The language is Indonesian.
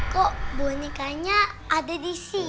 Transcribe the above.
kok bonekanya ada di sini